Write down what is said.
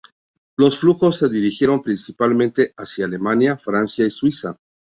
Los flujos se dirigieron principalmente hacia Alemania, Francia y Suiza.